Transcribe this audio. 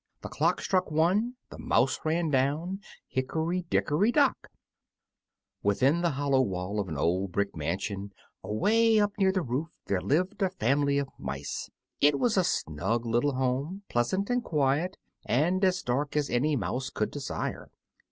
The clock struck one, The mouse ran down, Hickory, Dickory, Dock! WITHIN the hollow wall of an old brick mansion, away up near the roof, there lived a family of mice. It was a snug little home, pleasant and quiet, and as dark as any mouse could desire.